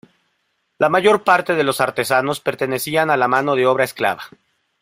La mayor parte de los artesanos pertenecían a la mano de obra esclava.